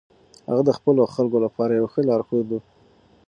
هغه د خپلو خلکو لپاره یو ښه لارښود و.